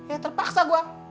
eh terpaksa gue